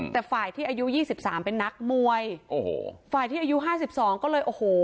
แต่ฝ่ายที่อายุยี่สิบสามเป็นนักมวยโอ้โหฝ่ายที่อายุห้าสิบสองก็เลยโอ้โห